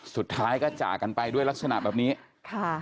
สุดท้ายก็จากกันไปด้วยลักษณะแบบนี้ค่ะ